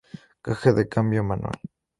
Caja de cambio manual.